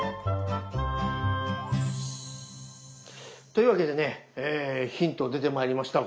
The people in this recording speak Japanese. というわけでねヒント出てまいりました。